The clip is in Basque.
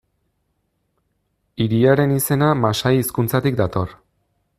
Hiriaren izena masai hizkuntzatik dator.